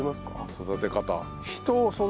育て方。